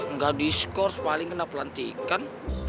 nggak diskors paling kena pelantikan